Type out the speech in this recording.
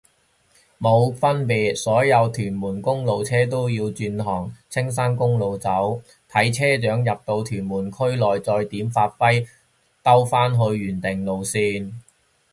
冇分別，所有屯門公路車都要轉行青山公路走，睇車長入到屯門區內再點發揮兜返去原定路線